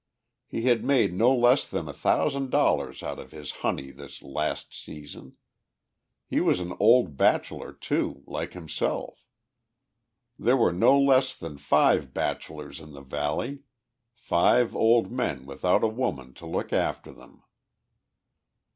He had made no less than a thousand dollars out of his honey this last season. He was an old bachelor, too, like himself. There were no less than five bachelors in the valley five old men without a woman to look after them.